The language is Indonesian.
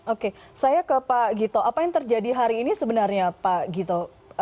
oke saya ke pak gito apa yang terjadi hari ini sebenarnya pak gito